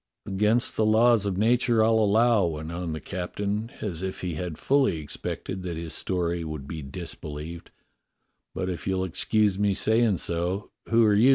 "Against the laws of nature, I'll allow," went on the captain, as if he had fully expected that his story would be disbelieved, "but if you'll excuse me saying so, who are you.